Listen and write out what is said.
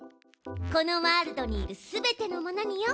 このワールドにいる全てのものによ。